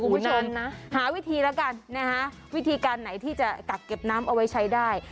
คุณผู้ชมหาวิธีแล้วกันนะฮะวิธีการไหนที่จะกักเก็บน้ำเอาไว้ใช้ได้